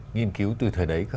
nghiên cứu từ thời đấy